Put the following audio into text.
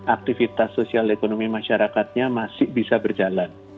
aktivitas sosial ekonomi masyarakatnya masih bisa berjalan